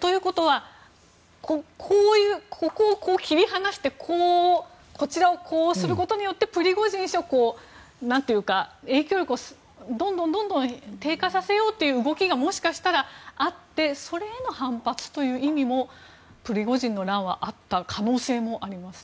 ということは、ここを切り離してこちらをこうすることによってプリゴジン氏の影響力を低下させようという動きがもしかしたらあってそれへの反発という意味もプリゴジンの乱はあった可能性もありますね。